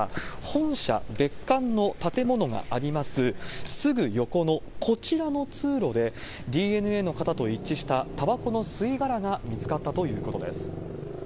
本社別館の建物があります、すぐ横のこちらの通路で、ＤＮＡの型と一致したたばこの吸い殻が見つかったということです。